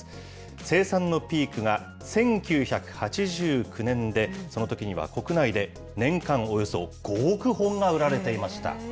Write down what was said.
生産のピークが１９８９年で、そのときには国内で、年間およそ５億本が売られていました。